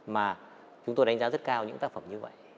mà chúng tôi đánh giá rất cao những tác phẩm như vậy